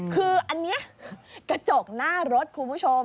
คืออันนี้กระจกหน้ารถคุณผู้ชม